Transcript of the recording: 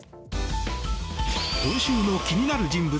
今週の気になる人物